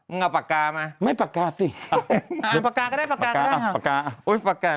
มึงเอาประกามาไม่แปลก้าสิเอาประกาก็ได้ประกา